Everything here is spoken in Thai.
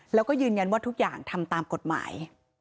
แล้วก็ยืนยันว่าทุกอย่างทำตามกฎหมาย